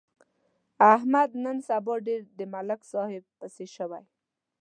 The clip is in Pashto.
احمد نن سبا ډېر د ملک صاحب پسې شوی.